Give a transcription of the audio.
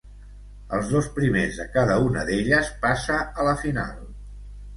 Els dos primers de cada una d'elles passa a la final.